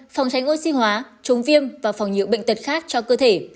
phòng tránh oxy hóa chống viêm và phòng nhiều bệnh tật khác cho cơ thể